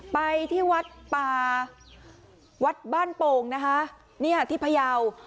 ไปที่วัดป่าวัดบ้านโป่งนะคะเนี่ยที่พยาว